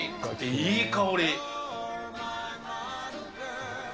いい香り。